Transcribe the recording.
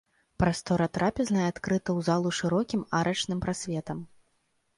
Прастора трапезнай адкрыта ў залу шырокім арачным прасветам.